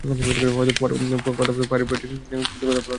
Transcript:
হয়তো তোমার পরিবার প্রথম বাৎসরিক কৃত্য পালন করবে।